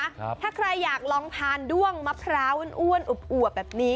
ถ้าใครอยากลองทานด้วงมะพร้าวอ้วนอวบอวบแบบนี้